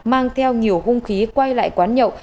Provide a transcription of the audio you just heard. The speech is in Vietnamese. mang theo nhiều hung khí quay lại quán nhậu